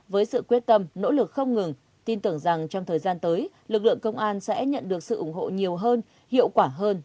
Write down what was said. với sự quyết tâm nỗ lực không ngừng tin tưởng rằng trong thời gian tới lực lượng công an sẽ nhận được sự ủng hộ nhiều hơn